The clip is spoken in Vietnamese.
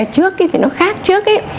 trước thì nó khác trước